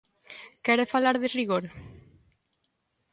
¿Quere falar de rigor?